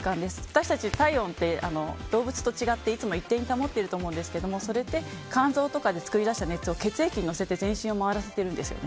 私たち体温って動物と違っていつも一定に保っていると思うんですけどそれって肝臓とかで作り出した熱を血液に乗せて全身を回らせているんです。